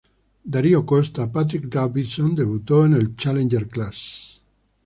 Dario Costa, Patrick Davidson debutó en la Challenger Class.